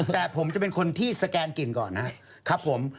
แต่ผมจะเป็นคนที่สแกนกลิ่นก่อนนะครับผม